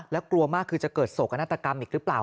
แล้วกลัวมากคือจะเกิดโศกนาฏกรรมอีกหรือเปล่า